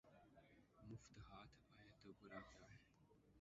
مفت ہاتھ آئے تو برا کیا ہے